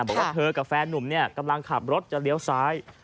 บอกว่าเธอกับแฟนนุ่มกำลังขับรถจะเลี้ยวซ้าย